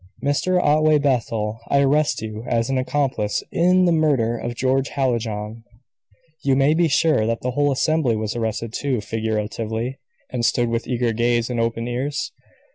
"Mr. Otway Bethel, I arrest you as an accomplice in the murder of George Hallijohn." You may be sure that the whole assembly was arrested, too figuratively and stood with eager gaze and open ears.